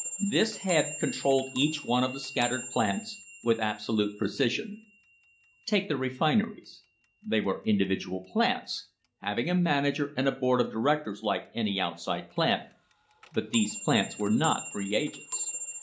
This head controlled each one of the scattered plants with absolute precision. Take the refineries; they were indi vidual plants, having a manager and a board of directors like THE HISTORY OF THE STANDARD OIL COMPANY any outside plant, but these plants were not free agents.